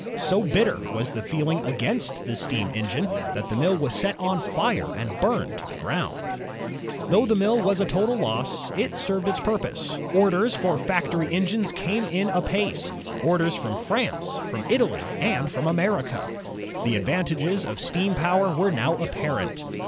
So bitter was the feeling against the steam engine that the mill was set on fire and burned to the groimd. Though the mill was a total loss, it served its purpose. Orders for factory engines came in apace, — orders from France, from Italy, and from America. The advantages of steam power were now apparent.